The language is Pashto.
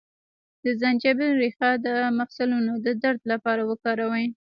د زنجبیل ریښه د مفصلونو د درد لپاره وکاروئ